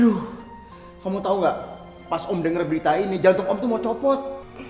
aduh kamu tahu gak pas om denger berita ini jantung om itu mau copot